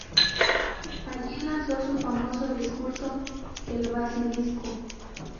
Allí lanzó su famoso discurso "El basilisco".